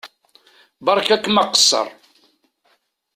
Beṛka-kem aqeṣṣeṛ.